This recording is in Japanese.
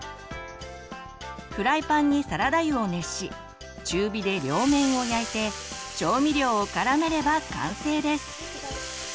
フライパンにサラダ油を熱し中火で両面を焼いて調味料を絡めれば完成です。